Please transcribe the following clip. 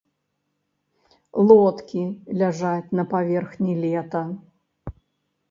Лодкі ляжаць на паверхні лета.